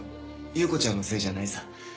優子ちゃんのせいじゃないさ。